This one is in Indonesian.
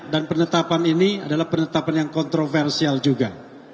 dan penetapan ini adalah penetapan yang kontroversial juga